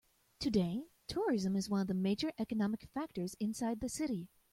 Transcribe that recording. Today, tourism is one of the major economic factors inside the city.